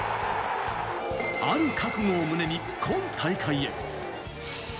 ある覚悟を胸に今大会へ。